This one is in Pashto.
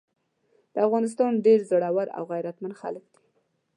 د افغانستان ډير زړور او غيرتمن خلګ دي۔